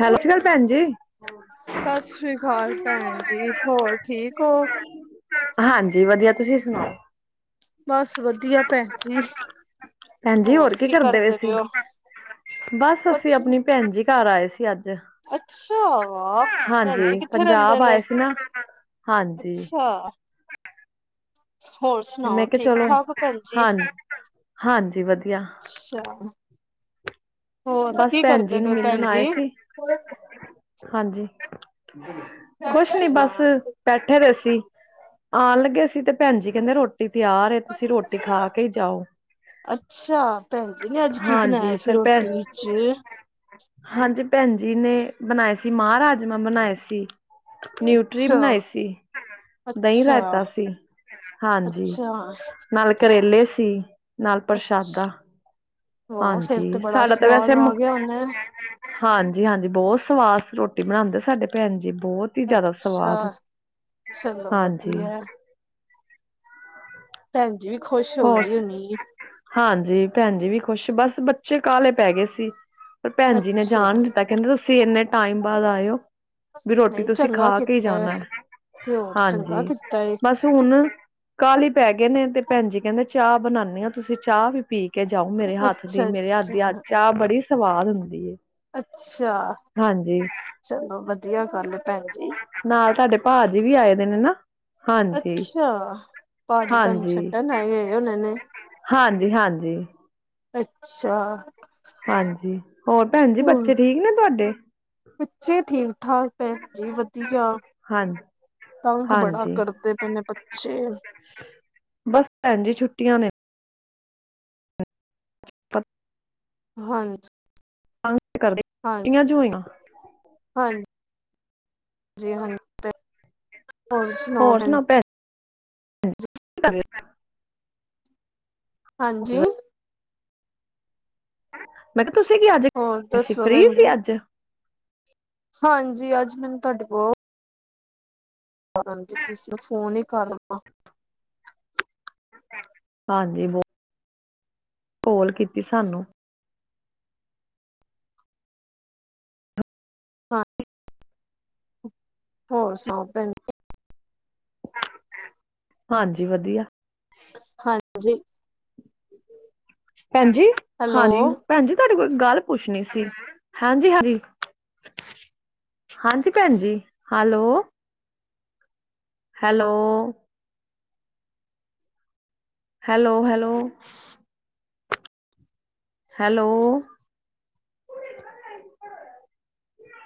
Hello? ਭੈਣ ਜੀ। ਸਤਿ ਸ੍ਰੀ ਅਕਾਲ ਭੈਣ ਜੀ ਹੋਰ ਠੀਕ ੳ? ਹਾਂਜੀ ਵਧੀਆ ਤੁਸੀਂ ਸੁਣਾਓ? ਬਸ ਵਧੀਆ ਭੈਣ ਜੀ ਭੈਣ ਜੀ ਹੋਰ ਹੋਰ ਕੀ ਕਰਦੇ ਸੀ? ਪਏ ਹੋ ਬਸ ਅਸੀਂ ਕੁਛ ਨੀ। ਆਪਣੀ ਭੈਣ ਜੀ ਘਰ ਆਏ ਸੀ ਅੱਜ। ਅੱਛਾ ਵਾਹ ਭੈਣ ਜੀ ਹਾਂਜੀ, ਕਿੱਥੇ ਰਹਿੰਦੇ ਪੰਜਾਬ ਨੇ ਆਏ ਸੀ ਨਾ, ਹਾਂਜੀ। ਤੇ ਅੱਛਾ। ਹੋਰ ਸੁਣਾਓ ਮੈਂ ਕਿਹਾ ਠੀਕ ਚਲੋ, ਠਾਕ ਭੈਣ ਜੀ, ਹਾਂ ਹਾਂਜੀ ਵਧੀਆ। ਅੱਛਾ। ਹੋਰ ਬਸ ਕੀ ਭੈਣ ਜੀ ਕਰਦੇ ਪਏ ਨੂੰ ਹੋ ਮਿਲਣ ਭੈਣ ਆਏ ਜੀ? ਸੀ, ਹਾਂਜੀ। ਕੁਛ ਨੀ ਅੱਛਾ ਬਸ ਬੈਠੇ ਰਹੇ ਸੀ । ਆਉਣ ਲੱਗੇ ਸੀ ਤੇ ਭੈਣ ਜੀ ਕਹਿੰਦੇ ਰੋਟੀ ਤਿਆਰ ਹੈ ਤੁਸੀਂ ਰੋਟੀ ਖਾ ਕੇ ਜਾਓ ਅੱਛਾ ਭੈਣ ਨੇ ਅੱਜ ਕੀ ਬਣਾਇਆ ਹਾਂਜੀ, ਸੀ ਫੇਰ ਭੈਣ ਰੋਟੀ ਵਿੱਚ ਜੀ। ਅੱਜ ਭੈਣ ਜੀ ਨੇ ਬਣਾਏ ਸੀ ਮਾਹਰਾਜਮਾ ਬਣਾਏ ਸੀ। ਨਿਊਟਰੀ ਅੱਛਾ ਬਣਾਈ ਸੀ, ਦਹੀਂ ਅੱਛਾ ਰਾਇਤਾ ਸੀ ਹਾਂਜੀ, ਅੱਛਾ ਨਾਲ ਕਰੇਲੇ। ਸੀ। ਨਾਲ ਅੱਛਾ ਪ੍ਰਸ਼ਾਦਾ। ਵਾਹ ਫੇਰ ਹਾਂਜੀ, ਤੇ ਬੜਾ ਸਾਡਾ ਤਾਂ ਵੈਸੇ ਸਵਾਦ ਆ ਗਿਆ ਉਹਨੇ ਹਾਂਜੀ-ਹਾਂਜੀ ਬਹੁਤ ਸਵਾਦ ਰੋਟੀ। ਰੋਟੀ ਬਣਾਉਂਦੇ ਸਾਡੇ ਭੈਣ ਜੀ। ਬਹੁਤ ਹੀ ਜ਼ਿਆਦਾ ਅੱਛਾ ਸਵਾਦ ਚਲੋ ਹਾਂਜੀ। ਵਧੀਆ ਭੈਣ। ਜੀ ਵੀ ਖੁਸ਼ ਹੋ ਗਈ ਹੋਣੀ। ਜੀ ਭੈਣ ਜੀ ਵੀ ਖੁਸ਼ ਬਸ ਬੱਚੇ ਕਾਲ਼ੇ ਪੈ ਗਏ ਸੀ। ਪਰ ਭੈਣ ਜੀ ਨੇ ਅੱਛਾ ਜਾਣ ਨਹੀਂ ਦਿੱਤਾ ਕਹਿੰਦੇ ਤੁਸੀਂ ਇੰਨੇ ਟਾਈਮ ਬਾਅਦ ਆਇਓ ਵੀ ਰੋਟੀ ਨਹੀਂ ਤੁਸੀਂ ਚੰਗਾ ਖਾ ਕੇ ਕੀਤਾ ਹੈ, ਜਾਣਾ ਤੇ ਹੋਰ ਚੰਗਾ ਹਾਂਜੀ, ਕੀਤਾ ਏ ਬਸ ਹੁਣ ਕਾਲੀ ਹੀ ਪੈ ਗਏ ਨੇ ਤੇ ਕਹਿੰਦੇ ਚਾਹ ਬਣਾਉਂਦੇ ਹੋ ਤੁਸੀਂ ਚਾਹ ਵੀ ਪੀ ਕੇ ਕੇ ਜਾਓ ਮੇਰੇ ਹੱਥ ਦੀ ਅੱਛਾ ਮੇਰੇ ਹੱਥ ਦੀ ਆ ਅੱਛਾ ਚਾਹ ਬੜੀ ਸਵਾਦ ਹੁੰਦੀ ਹੈ। ਅੱਛਾ, ਹਾਂਜੀ ਚਲੋ ਵਧੀਆ ਗੱਲ ਭੈਣ ਜੀ। ਨਾਲ ਤੁਹਾਡੇ ਭਾਜੀ ਵੀ ਆਏ ਦੇ ਨੇ ਨਾ। ਹਾਂਜੀ ਅੱਛਾ, ਭਾਜੀ ਤੁਹਾਨੂੰ ਛੱਡਣ ਆਏ ਗਏ ਉਹਨਾਂ ਨੇ ਹਾਂਜੀ-ਹਾਂਜੀ। ਅੱਛਾ। ਹਾਂਜੀ, ਹੋਰ ਭੈਣ ਜੀ ਹੋਰ ਬੱਚੇ ਠੀਕ ਨੇ ਤੁਹਾਡੇ। ਬੱਚੇ ਠੀਕ ਠਾਕ ਭੈਣ ਜੀ ਵਧੀਆ, ਹਾਂ ਤੰਗ ਬੜਾ ਹਾਂਜੀ ਕਰਦੇ ਪਏ ਨੇ ਬੱਚੇ। ਬਸ, ਭੈਣ ਜੀ ਛੁੱਟੀਆਂ ਨੇ। [unintelligible] ਹਾਂਜੀ। ਕਰਦੇ ਹਾਂ ਛੁੱਟੀਆਂ ਜੋ ਹੋਈਆਂ। ਜੀ ਹਾਂ। ਹੋਰ ਸੁਣਾਓ ਭੈ ਸੁਣਾ ਭੈਣ [unintelligible] ਹਾਂਜੀ। ਮੈ ਕਿਹਾ ਤੁਸੀਂ ਕੀ ਅੱਜ ਹੋਰ ਤੁਸੀ ਦੱਸੋ ਫਰੀ ਭੈਣ ਜੀ ਸੀ ਅੱਜ। ਹਾਂਜੀ। ਅੱਜ ਮੈਨੂੰ ਤੁਹਾਡੇ ਬੋਤ [unintelligible] ਫ਼ੋਨ ਹੀ ਕਰ ਲਵਾਂ। ਹਾਂਜੀ। ਬਹੁਤ ਕੋਲ ਕੀਤੀ ਸਾਨੂੰ। ਹਾਂ, ਹੋਰ ਸੁਣਾਓ ਭੈਣ ਜੀ ਹਾਂਜੀ। ਵਧੀਆ। ਹਾਂਜੀ। ਭੈਣ ਜੀ ਹਾਂਜੀ। ਹੈਲੋ ਭੈਣ ਜੀ ਤੁਹਾਡੇ ਕੋਈ ਗੱਲ ਪੁੱਛਣੀ ਸੀ ਹਾਂਜੀ। ਹਾਂਜੀ। ਹਾਂਜੀ। ਭੈਣ ਜੀ hello. Hello. Hello hello. Hello.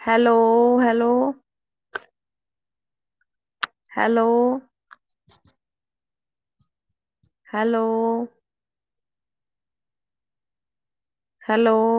Hello hello. Hello. Hello. Hello.